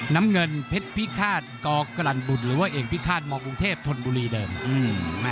น้ำเงินเพชรพิฆาตกกลันบุตรหรือว่าเอกพิฆาตมกรุงเทพธนบุรีเดิม